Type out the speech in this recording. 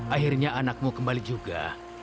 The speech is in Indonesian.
akhirnya anakmu kembali juga